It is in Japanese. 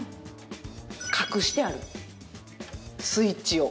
隠してある、スイッチを。